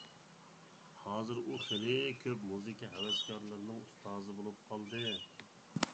ھازىر ئۇ خىلى كۆپ مۇزىكا ھەۋەسكارلىرىنىڭ ئۇستازى بولۇپ قالدى.